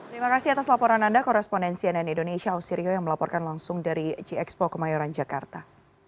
terima kasih atas laporan anda korespondensi ann indonesia ausirio yang melaporkan langsung dari gxpo kemayoran jakarta